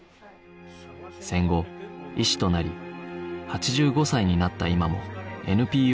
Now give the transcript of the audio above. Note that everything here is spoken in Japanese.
戦後医師となり８５歳になった今も ＮＰＯ 法人を立ち上げ